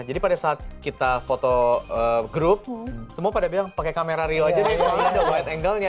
jadi pada saat kita foto group semua pada bilang pakai kamera rio aja deh soalnya ada wide angle nya